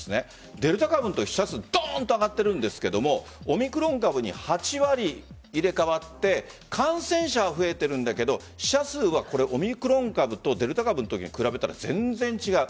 デルタ株だと死者数どんと上がっているんですがオミクロン株に８割入れ換わって感染者は増えているけど死者数はオミクロン株とデルタ株のときに比べたら全然違う。